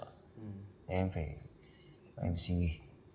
thế em phải em suy nghĩ